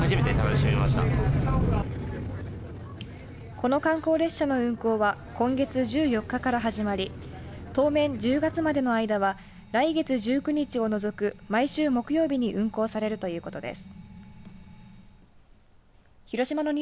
この観光列車の運行は今月１４日から始まり当面１０月までの間は来月１９日を除く毎週木曜日に運行されるということです。